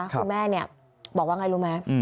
คุณแม่บอกว่าไงรู้ไหม